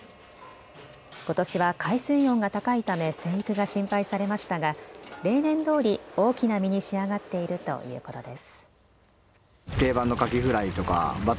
ことしは海水温が高いため生育が心配されましたが例年どおり大きな身に仕上がっているということです。